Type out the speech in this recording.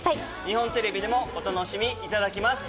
日本テレビでもお楽しみいただけます。